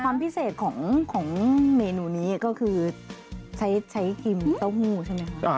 ความพิเศษของเมนูนี้ก็คือใช้ครีมเต้าหู้ใช่ไหมคะ